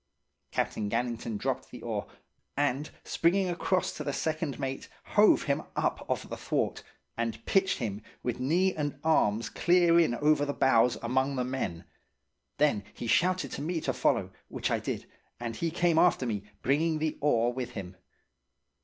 "Captain Gannington dropped the oar, and, springing across to the second mate, hove him up off the thwart, and pitched him with knee and arms clear in over the bows among the men; then he shouted to me to follow, which I did, and he came after me, bringing the oar with him.